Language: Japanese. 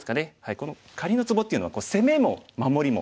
このかりんのツボっていうのは攻めも守りも。